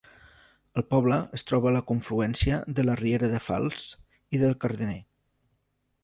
El poble es troba a la confluència de la riera de Fals i del Cardener.